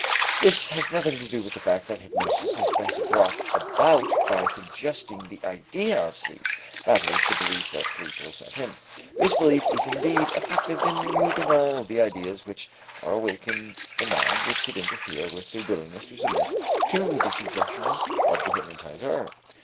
This has nothing to do with the fact that hypnosis is best brought about by suggesting the idea of sleep, that is, the belief that sleep will set in. This belief is indeed effective in removing all the ideas which are awake in the mind which would interfere with the willingness to submit to the suggestions of the hypnotizer.